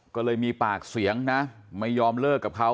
ก็เลยมีปากเสียงนะไม่ยอมเลิกกับเขา